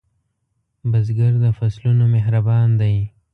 بزګر د فصلونو مهربان دی